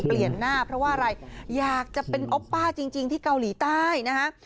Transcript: เปลี่ยนหน้าเพราะว่าอะไรอยากจะเป็นโอปป้าจริงที่เกาหลีใต้นะฮะ